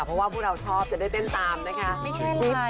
เพราะว่าพวกเราชอบจะได้เต้นตามนะคะ